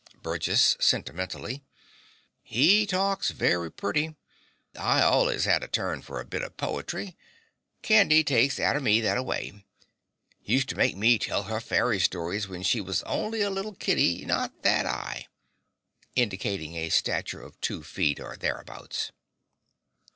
BURGESS (sentimentally). He talks very pretty. I allus had a turn for a bit of potery. Candy takes arter me that a way: huse ter make me tell her fairy stories when she was on'y a little kiddy not that 'igh (indicating a stature of two feet or thereabouts).